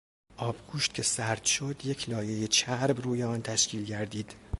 آبگوشت که سرد شد یک لایهی چرب روی آن تشکیل گردید.